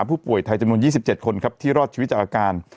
ผู้ป่วยไทยจำนวน๒๗คนครับที่รอดชีวิตจากอาการ